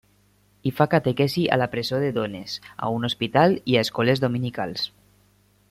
Hi fa catequesi a la presó de dones, a un hospital i a escoles dominicals.